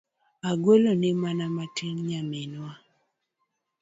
Agweloni mana matin Nyaminwa.